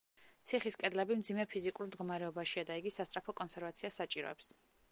ციხის კედლები მძიმე ფიზიკურ მდგომარეობაშია და იგი სასწრაფო კონსერვაციას საჭიროებს.